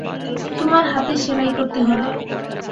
তোমার হাতে সেলাই করতে হবে।